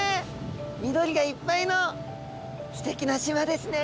緑がいっぱいのすてきな島ですね。